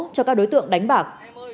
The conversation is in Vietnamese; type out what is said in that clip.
các đối tượng đánh bạc